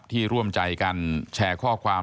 ร่วมใจกันแชร์ข้อความ